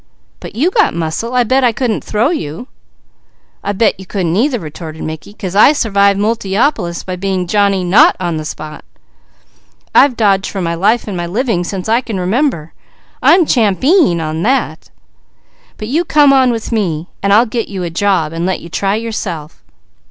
"But you got muscle. I bet I couldn't throw you!" "I bet you couldn't either," retorted Mickey, "'cause I survived Multiopolis by being Johnny not on the spot! I've dodged for my life and my living since I can remember. I'm champeen on that. But you come on with me, and I'll get you a job and let you try yourself."